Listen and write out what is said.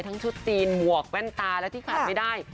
ชุดจีนหมวกแว่นตาและที่ขาดไม่ได้